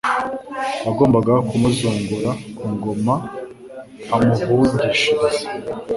wagombaga kumuzungura ku ngoma amuhungishiriza